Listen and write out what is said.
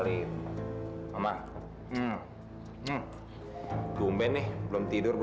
ikut di sini aja